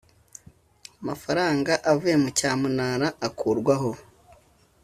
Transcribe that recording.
Amafaranga avuye mu cyamunara akurwaho